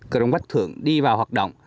cronpach thượng đi vào hoạt động